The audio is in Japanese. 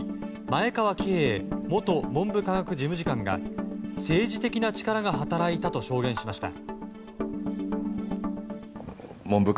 前川喜平元文部科学事務次官が政治的な力が働いたと証言しました。